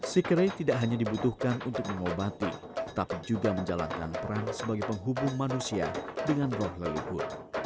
si kere tidak hanya dibutuhkan untuk mengobati tapi juga menjalankan peran sebagai penghubung manusia dengan roh leluhur